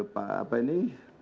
pak apa ini